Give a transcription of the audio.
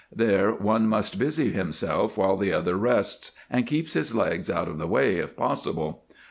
There one must busy himself while the other rests and keeps his legs out of the way if possible.